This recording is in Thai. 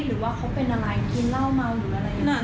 หรือว่าเขาเป็นอะไรกินเหล้าเมาหรืออะไร